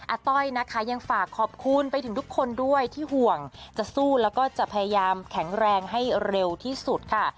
ต้อยนะคะยังฝากขอบคุณไปถึงทุกคนด้วยที่ห่วงจะสู้แล้วก็จะพยายามแข็งแรงให้เร็วที่สุดค่ะ